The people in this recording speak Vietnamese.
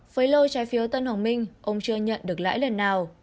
với lô trái phiếu tân hoàng minh ông chưa nhận được lãi lần nào